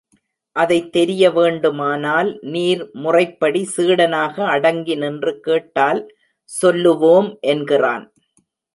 அதைத் தெரிய வேண்டுமானால் நீர் முறைப்படி சீடனாக அடங்கி நின்று கேட்டால் சொல்லுவோம் என்கிறான்.